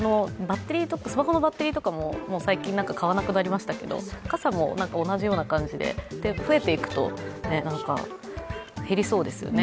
スマホのバッテリーとかも最近買わなくなりましたけど、傘も同じような感じで増えていくと減りそうですよね